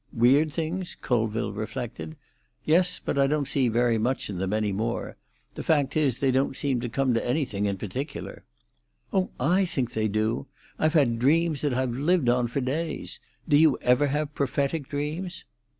"Weird things?" Colville reflected. "Yes; but I don't see very much in them any more. The fact is, they don't seem to come to anything in particular." "Oh, I think they do! I've had dreams that I've lived on for days. Do you ever have prophetic dreams?"